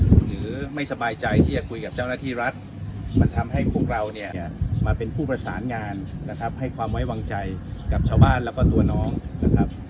หรือไม่สบายใจที่จะคุยกับเจ้าหน้าที่รัฐมันทำให้พวกเราเนี่ยมาเป็นผู้ประสานงานนะครับให้ความไว้วางใจกับชาวบ้านแล้วก็ตัวน้องนะครับ